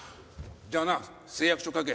じゃあな誓約書書け。